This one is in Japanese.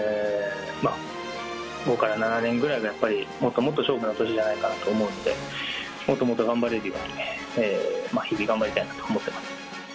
５から７年ぐらいが、やっぱりもっともっと勝負の年じゃないかなと思うので、もっともっと頑張れるように、日々頑張りたいなと思ってます。